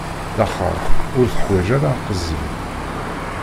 Laxert ur teḥwaǧ ara aqezzeb.